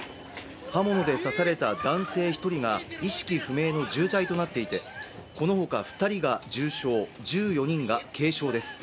刃物で刺された男性１人が意識不明の重体となっていてこのほか、２人が重傷、１４人が軽傷です。